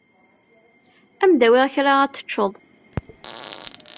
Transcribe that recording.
Ad m-d-awiɣ kra ad t-teččeḍ.